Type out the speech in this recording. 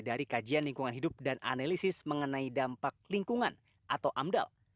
dari kajian lingkungan hidup dan analisis mengenai dampak lingkungan atau amdal